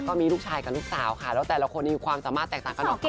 ก็มีลูกชายกับลูกสาวค่ะแล้วแต่ละคนยังมีความสามารถแตกต่างกันออกไป